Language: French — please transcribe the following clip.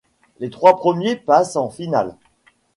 Les trois premiers passent en finale.